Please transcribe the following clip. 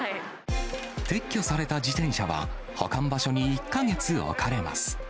撤去された自転車は、保管場所に１か月置かれます。